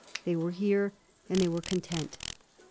They were here, and they were content.